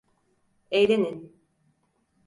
Eğlenin!